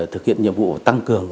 thực hiện nhiệm vụ tăng cường